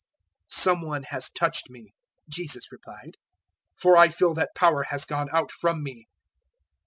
008:046 "Some one has touched me," Jesus replied, "for I feel that power has gone out from me."